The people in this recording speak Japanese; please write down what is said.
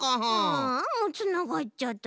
ああもうつながっちゃった。